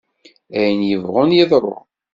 Ayen yebɣun yeḍru!